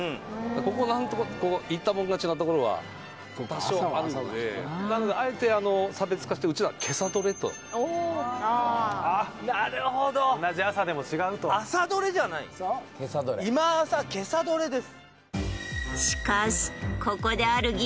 ここなんとか言ったもん勝ちなところは多少あるのでなのであえて差別化してうちは「今朝獲れ」とああなるほど・同じ「朝」でも違うと朝獲れじゃない今朝今朝獲れです